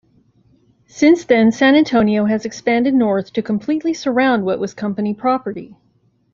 Since then San Antonio has expanded north to completely surround what was company property.